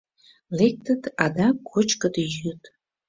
Лектыт, адак кочкыт-йӱыт.